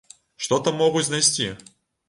Што там могуць знайсці?